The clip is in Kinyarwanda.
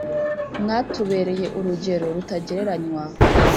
mwatubereye urugero rutagereranywa